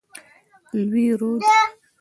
لوی رود.